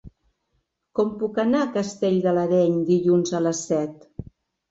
Com puc anar a Castell de l'Areny dilluns a les set?